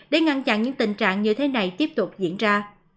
để ngăn chặn những tình trạng như thế này tiếp tục diễn ra